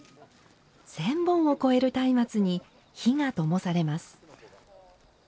１０００本を超える松明に火がともされます。